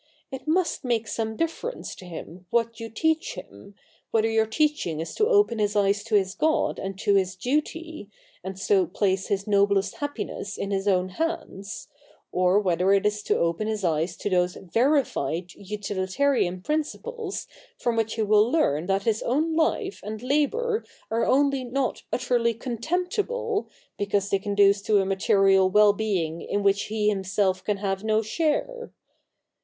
It must make some difference to him what you teach him, whether your teaching is to open his eyes to his God and to his duty, and so place his noblest happiness in his own hands, or whether it is to open his eyes to those verified Utilitarian principles from which he will learn that his own life and labour are only not utterly contemptible, because they conduce to a material well being in which he himself can have no share.